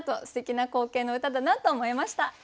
すてきな光景の歌だなと思いました。